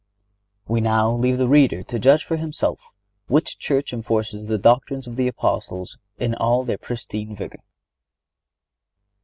(96) We now leave the reader to judge for himself which Church enforces the doctrines of the Apostles in all their pristine vigor.